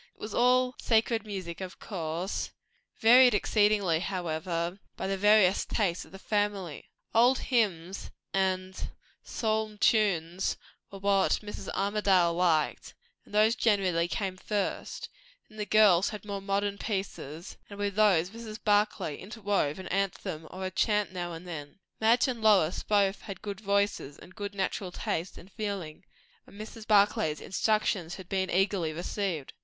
It was all sacred music, of course, varied exceedingly, however, by the various tastes of the family. Old hymn and psaulm tunes were what Mrs. Armadale liked; and those generally came first; then the girls had more modern pieces, and with those Mrs. Barclay interwove an anthem or a chant now and then. Madge and Lois both had good voices and good natural taste and feeling; and Mrs. Barclay's instructions had been eagerly received.